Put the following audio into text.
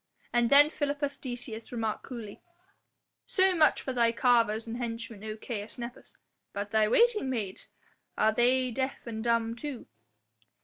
And then Philippus Decius remarked coolly: "So much for thy carvers and henchmen, O Caius Nepos, but thy waiting maids? are they deaf and dumb too?"